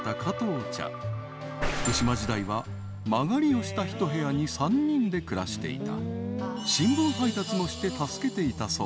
［福島時代は間借りをした一部屋に３人で暮らしていた］